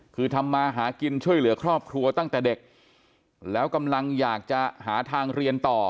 คือทำมาหากินช่วยเหลือครอบครัวตั้งแต่เด็กแล้วกำลังอยากจะหาทางเรียนต่อ